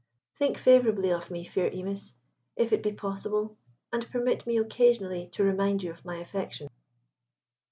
Think favourably of me, fair Imis, if it be possible, and permit me occasionally to remind you of my affection."